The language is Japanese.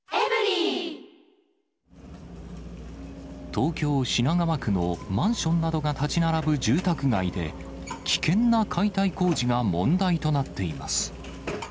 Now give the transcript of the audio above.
東京・品川区のマンションなどが建ち並ぶ住宅街で、危険な解体工事が問題となっています。